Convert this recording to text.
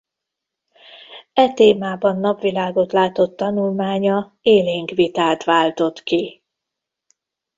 E témában napvilágot látott tanulmánya élénk vitát váltott ki.